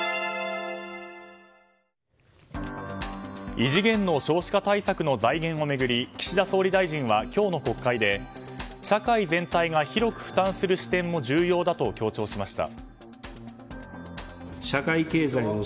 異次元の少子化対策の財源を巡り岸田総理大臣は今日の国会で社会全体が広く負担する視点も重要だと強調しました。